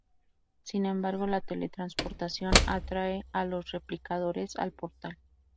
Sin embargo la teletransportación atrae a los replicadores al Portal.